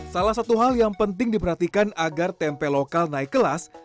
salah satu hal yang penting diperhatikan agar tempe lokal naik kelas